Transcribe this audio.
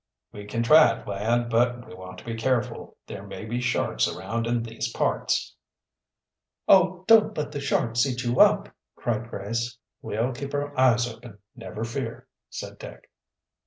"We can try it, lad. But we want to be careful. There may be sharks around in these parts." "Oh, don't let the sharks eat you up!" cried Grace. "We'll keep our eyes open, never fear," said Dick.